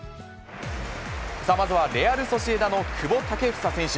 まずはレアル・ソシエダの久保建英選手。